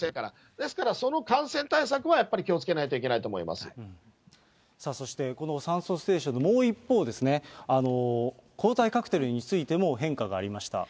ですからその感染対策はやっぱり気をつけないといけないと思いまそしてこの酸素ステーションのもう一方ですね、抗体カクテルについても、変化がありました。